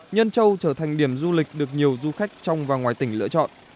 nhân châu trở thành điểm du lịch được nhiều du khách trong và ngoài tỉnh lựa chọn